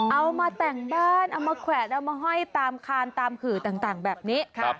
เอามาแต่งบ้านเอามาแขวนเอามาห้อยตามคานตามขื่อต่างแบบนี้